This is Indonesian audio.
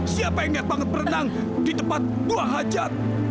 siapa yang ingat berenang di tempat buah hajat